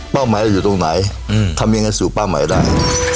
หมายเราอยู่ตรงไหนทำยังไงสู่เป้าหมายได้